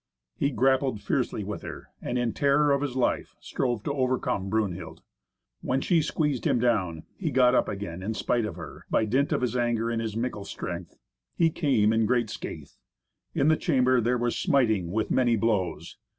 He grappled fiercely with her, and, in terror of his life, strove to overcome Brunhild. When she squeezed him down, he got up again in spite of her, by dint of his anger and his mickle strength. He came in great scathe. In the chamber there was smiting with many blows.